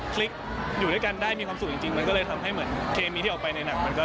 คลิกอยู่ด้วยกันได้มีความสุขจริงมันก็เลยทำให้เหมือนเคมีที่ออกไปในหนังมันก็